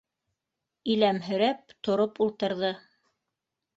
Иләмһерәп тороп ултырҙы.